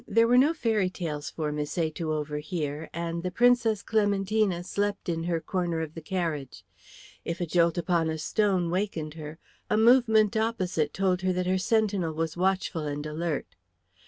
There were no fairy tales told for Misset to overhear, and the Princess Clementina slept in her corner of the carriage. If a jolt upon a stone wakened her, a movement opposite told her that her sentinel was watchful and alert.